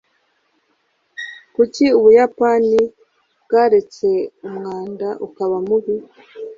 kuki ubuyapani bwaretse umwanda ukaba mubi